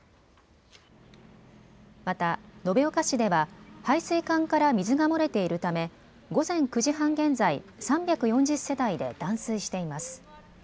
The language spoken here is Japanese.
また延岡市では配水管から水が漏れているため午前９時半現在、３４０世帯で断水しています。